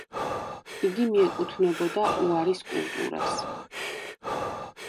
იგი მიეკუთვნებოდა უარის კულტურას.